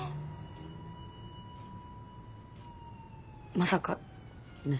まさかね。